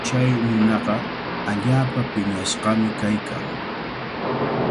Chay nunaqa allaapa piñashqami kaykan.